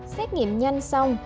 xét nghiệm nhanh xong